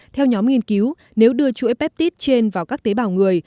theo nhóm nghiên cứu nếu đưa chuỗi peptide trên vào các tế bào người